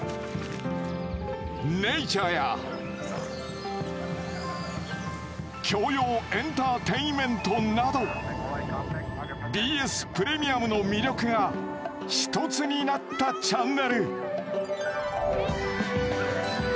ネイチャーや教養エンターテインメントなどＢＳプレミアムの魅力が１つになったチャンネル。